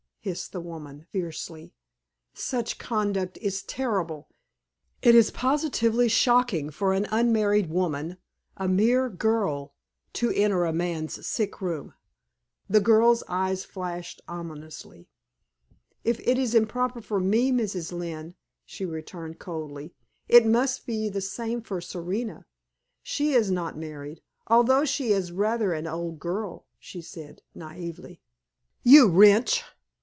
hissed the woman, fiercely. "Such conduct is terrible! It is positively shocking for an unmarried woman a mere girl to enter a man's sick room!" The girl's eyes flashed ominously. "If it is improper for me, Mrs. Lynne," she returned coldly, "it must be the same for Serena. She is not married, although she is rather an old girl," she added, naïvely. "You wretch!"